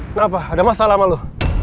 kenapa ada masalah sama loh